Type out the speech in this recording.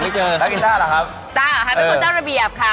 ต้าหรอครับเป็นคนเจ้าระเบียบค่ะ